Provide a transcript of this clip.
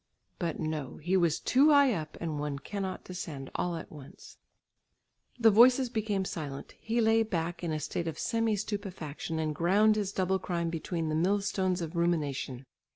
But no! He was too high up and one cannot descend all at once. The voices became silent. He lay back in a state of semi stupefaction and ground his double crime between the mill stones of rumination.